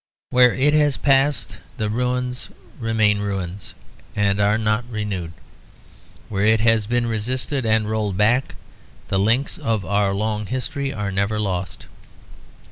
Where it has passed the ruins remain ruins and are not renewed; where it has been resisted and rolled back, the links of our long history are never lost.